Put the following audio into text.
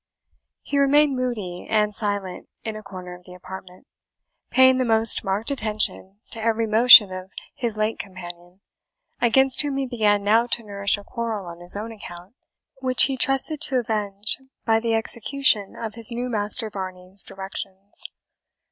He remained moody and silent in a corner of the apartment, paying the most marked attention to every motion of his late companion, against whom he began now to nourish a quarrel on his own account, which he trusted to avenge by the execution of his new master Varney's directions.